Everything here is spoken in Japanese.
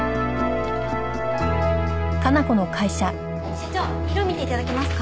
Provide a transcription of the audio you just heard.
社長色見て頂けますか？